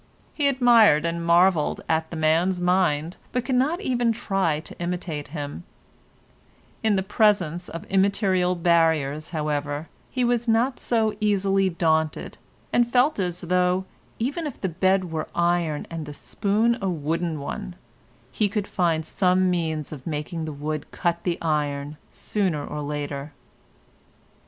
He admired and marvelled at the man's mind, but could not even try to imitate him; in the presence of immaterial barriers, however, he was not so easily daunted, and felt as though, even if the bed were iron and the spoon a wooden one, he could find some means of making the wood cut the iron sooner or later.